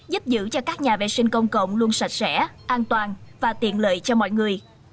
giúp giữ cho các nhà vệ sinh công cộng luôn sạch sẽ an toàn và tiện lợi cho mọi người